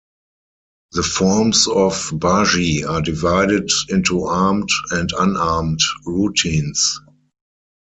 The forms of baji are divided into armed and unarmed routines.